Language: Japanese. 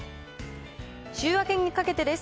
週明けにかけてです。